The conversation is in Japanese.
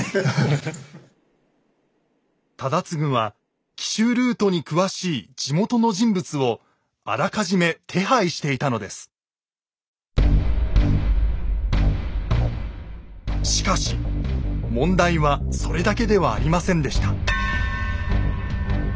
忠次は奇襲ルートに詳しい地元の人物をあらかじめ手配していたのですしかし問題はそれだけではありませんでした